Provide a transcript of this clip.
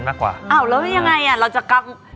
พี่อายกับพี่อ๋อมไม่ได้ครับ